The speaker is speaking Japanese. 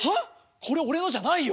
これ俺のじゃないよ。